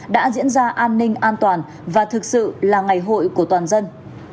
đã diễn ra an ninh an toàn và thực sự là ngày hội của toàn dân